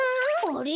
あれ？